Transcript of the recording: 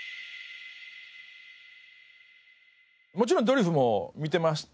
もちろん『ドリフ』も見てましたけど。